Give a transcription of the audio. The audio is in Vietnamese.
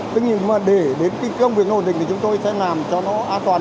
tức như mà để đến công việc nổ định thì chúng tôi sẽ làm cho nó an toàn